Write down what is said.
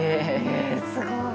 えすごい。